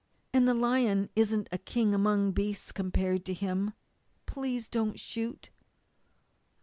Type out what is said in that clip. And the lion isn't a king among beasts compared with him. Please don't shoot!"